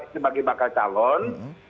sebagai bakal calon